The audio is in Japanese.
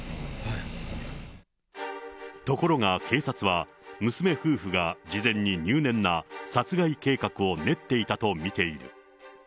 ところが警察は、娘夫婦が事前に入念な殺害計画を練っていたと見ている。